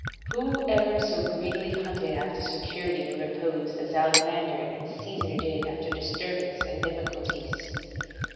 Who ever so greedily hunted after security and repose as Alexander and Caesar did after disturbance and difficulties?